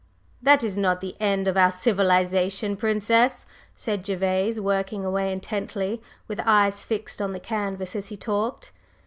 "That is not the end of our civilization, Princess," said Gervase, working away intently, with eyes fixed on the canvas as he talked.